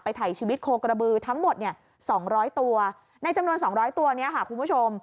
ถ่ายชีวิตโคกระบือทั้งหมดเนี่ย๒๐๐ตัวในจำนวน๒๐๐ตัวนี้ค่ะคุณผู้ชม